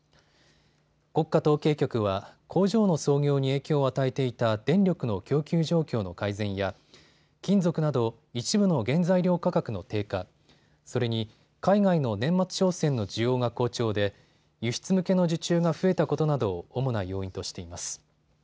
国家統計局は工場の操業に影響を与えていた電力の供給状況の改善や金属など一部の原材料価格の低下、それに海外の年末商戦の需要が好調で輸出向けの受注が増えたことなどを主な要因としています。